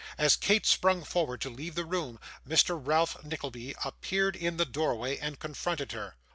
As Kate sprung forward to leave the room, Mr Ralph Nickleby appeared in the doorway, and confronted her.